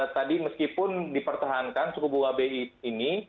tadi meskipun dipertahankan suku bunga bi ini